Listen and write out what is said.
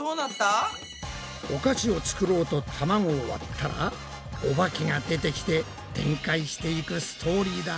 お菓子を作ろうとたまごを割ったらおばけが出てきて展開していくストーリーだ。